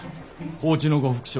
高知の呉服商